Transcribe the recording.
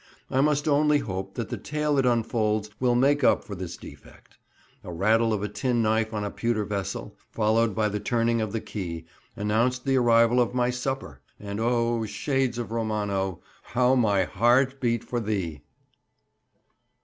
I must only hope that the tale it unfolds will make up for this defect. A rattle of a tin knife on a pewter vessel, followed by the turning of the key, announced the arrival of my supper; and, oh, shades of Romano, how "my heart beat for thee!"